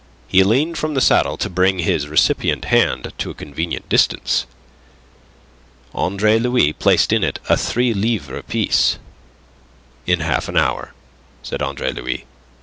He leaned from the saddle to bring his recipient hand to a convenient distance. Andre Louis placed in it a three livre piece. "In half an hour," said Andre Louis.